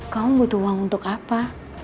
kamu butuh uang untuk apa